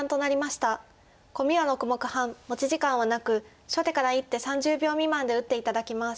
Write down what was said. コミは６目半持ち時間はなく初手から１手３０秒未満で打って頂きます。